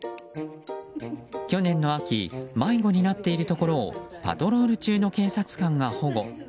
去年の秋迷子になっているところをパトロール中の警察官が保護。